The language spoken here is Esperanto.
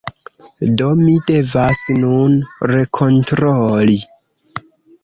Do, mi devas nun rekontroli